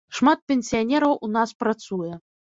Шмат пенсіянераў у нас працуе.